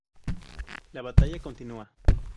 La batalla continúa.